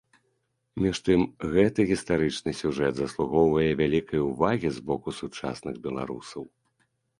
Між тым, гэты гістарычны сюжэт заслугоўвае вялікай увагі з боку сучасных беларусаў.